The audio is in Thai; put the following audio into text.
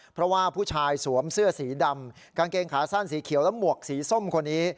เพราะว่าผู้ชายสวมเสื้อสีดำกางเกงขาสั้นสีเขียวและหมวกสีส้มคนนี้